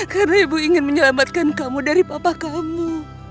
karena ibu ingin menyelamatkan kamu dari papa kamu